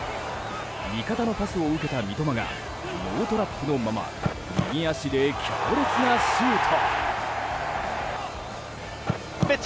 味方のパスを受けた三笘がノートラップのまま右足で強烈なシュート。